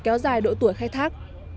kéo dài độ tuổi khai thác